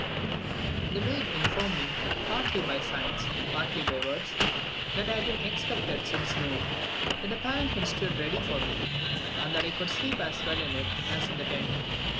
The maid informed me, partly by signs, partly by words, that I had been expected since noon; that a palanquin stood ready for me, and that I could sleep as well in it as in the tent.